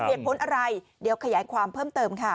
เหตุผลอะไรเดี๋ยวขยายความเพิ่มเติมค่ะ